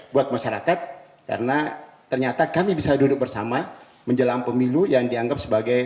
buat masyarakat karena ternyata kami bisa duduk bersama menjelang pemilu yang dianggap sebagai